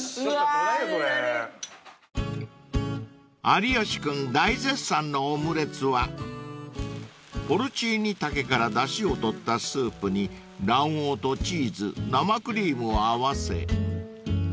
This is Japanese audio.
［有吉君大絶賛のオムレツはポルチーニ茸からだしを取ったスープに卵黄とチーズ生クリームを合わせ